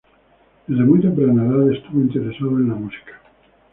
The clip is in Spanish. Desde muy temprana edad estuvo interesado en la música.